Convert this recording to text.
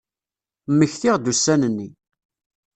Mmektiɣ-d ussan-nni.